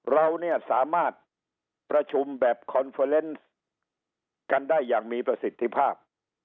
เราเนี้ยสามารถประชุมแบบกันได้อย่างมีประสิทธิภาพ